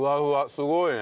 すごいね。